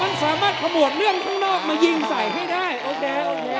มันสามารถขบวนเรื่องข้างนอกมายิงใส่ให้ได้โอเค